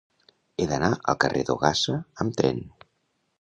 He d'anar al carrer d'Ogassa amb tren.